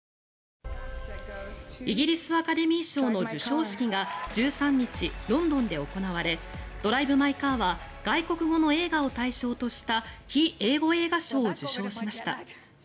イギリスアカデミー賞の授賞式が１３日、ロンドンで行われ「ドライブ・マイ・カー」は外国語の映画を対象とした非英語映画賞を受賞しました。